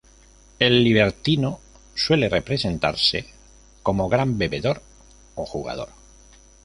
El libertino suele representarse como gran bebedor o jugador.